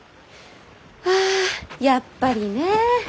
あやっぱりねえ！